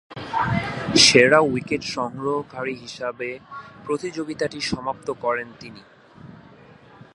সেরা উইকেট সংগ্রহকারী হিসাবে প্রতিযোগিতাটি সমাপ্ত করেন তিনি।